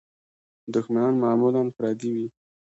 دوښمنان معمولاً پردي وي.